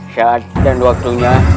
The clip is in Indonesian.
saat dan waktunya